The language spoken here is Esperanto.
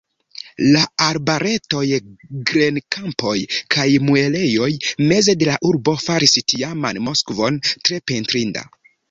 La arbaretoj, grenkampoj kaj muelejoj meze de la urbo faris tiaman Moskvon tre pentrinda.